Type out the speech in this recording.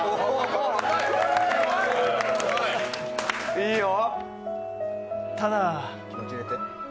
いいよ！